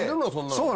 そんなの。